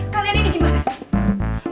kalian ini gimana sih